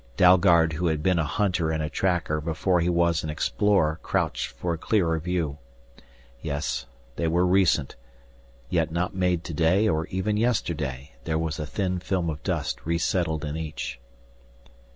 _" Dalgard who had been a hunter and a tracker before he was an explorer crouched for a clearer view. Yes, they were recent, yet not made today or even yesterday; there was a thin film of dust resettled in each.